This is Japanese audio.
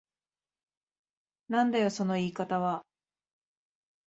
なんだよその言い方は。